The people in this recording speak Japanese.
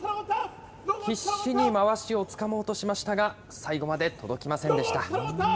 必死にまわしをつかもうとしましたが、最後まで届きませんでした。